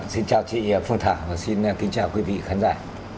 xin chào chị phương thảo và xin kính chào quý vị khán giả